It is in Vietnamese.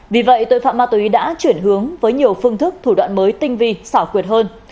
vì vậy tội phạm ma túy đã chuyển hướng với nhiều phương thức thủ đoạn mới tinh vi xảo quyệt hơn